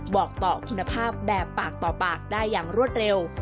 บอกต่อคุณภาพแบบปากต่อปากได้อย่างรวดเร็ว